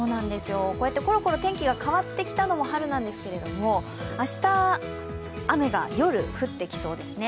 ころころ天気が変わってきたのも春なんですけれども、明日、雨が夜、降ってきそうですね。